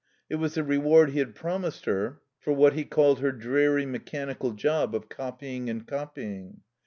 It was the reward he had promised her for what he called her dreary, mechanical job of copying and copying.